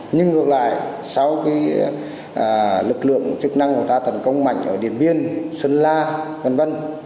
nhưng ngược lại sau khi lực lượng chức năng của ta thần công mạnh ở điển biên xuân la v v